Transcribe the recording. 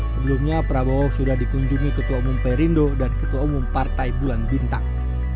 sebelumnya prabowo sudah dikunjungi ketua umum perindo dan ketua umum partai bulan bintang